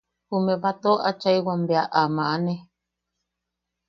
Jume batoo achaiwam bea a maʼane.